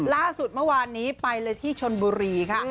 ล่าสุดเมื่อวานนี้ไปเลยที่ชนบุรีค่ะ